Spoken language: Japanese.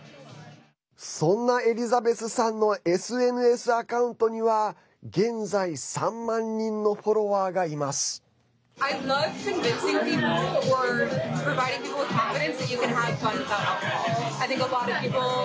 そんなエリザベスさんのＳＮＳアカウントには現在３万人のフォロワーがいます。